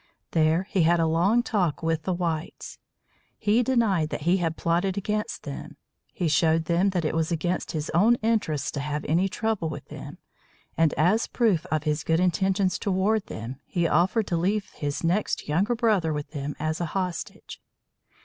There he had a long talk with the whites. He denied that he had plotted against them. He showed them that it was against his own interests to have any trouble with them, and as proof of his good intentions toward them, he offered to leave his next younger brother with them as a hostage.